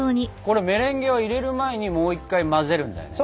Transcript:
メレンゲは入れる前にもう一回混ぜるんだよね？